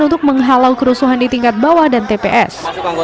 untuk menghalau kerusuhan di tingkat bawah dan tps